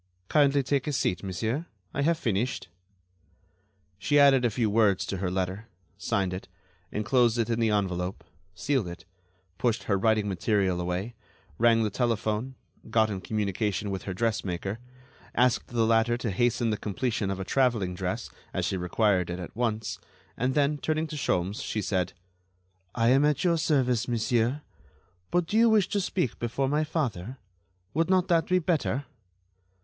"Kindly take a seat, monsieur; I have finished." She added a few words to her letter, signed it, enclosed it in the envelope, sealed it, pushed her writing material away, rang the telephone, got in communication with her dressmaker, asked the latter to hasten the completion of a traveling dress, as she required it at once, and then, turning to Sholmes, she said: "I am at your service, monsieur. But do you wish to speak before my father? Would not that be better?"